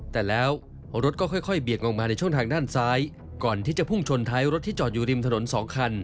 แต่แล้วรถก็ค่อยเบี่ยงลงมาในช่องทางด้านซ้ายก่อนที่จะพุ่งชนท้ายรถที่จอดอยู่ริมถนนสองคัน